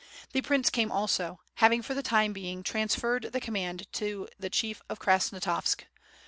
The prince came also, having for the time being trans ferred the command to the (^hief of Krasnostavsk.